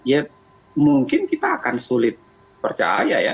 ya mungkin kita akan sulit percaya ya